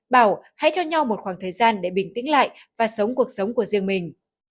bảo hãy cho nhau một khoảng thời gian để bình tĩnh lại và sống cuộc sống của riêng mình